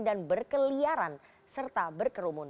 dan berkeliaran serta berkerumun